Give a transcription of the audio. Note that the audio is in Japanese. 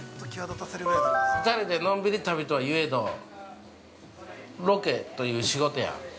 ◆２人でのんびり旅とはいえど、ロケという仕事やん。